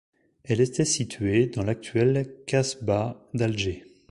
Elle était située dans l'actuelle casbah d'Alger.